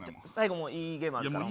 最後もいいゲームあるから。